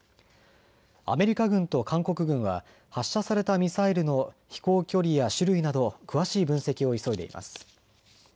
アメリカ軍と韓国軍は発射されたミサイルの飛行距離や種類など詳しい分析を急いでいます。